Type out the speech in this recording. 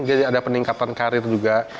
jadi ada peningkatan karir juga